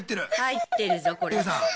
入ってるぞこれ。